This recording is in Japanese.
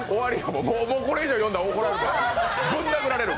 もうこれ以上、呼んだら怒られる。